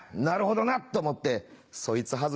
「なるほどな」って思ってそいつ